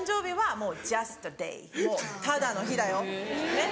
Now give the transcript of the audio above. もうただの日だよ。